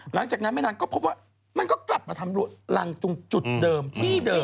หลังจากนั้นไม่นานก็พบว่ามันก็กลับมาทำรังตรงจุดเดิมที่เดิม